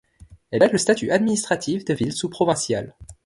Elle a le statut administratif de ville sous-provinciale.